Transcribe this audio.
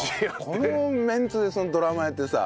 このメンツでドラマやってさ